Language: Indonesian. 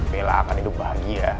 bella akan hidup bahagia